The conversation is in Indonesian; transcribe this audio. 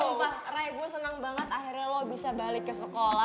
sumpah raya gue seneng banget akhirnya lo bisa balik ke sekolah